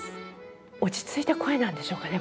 落ち着いた声なんでしょうかねこれ。